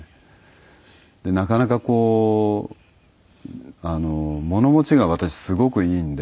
なかなかこう物持ちが私すごくいいので。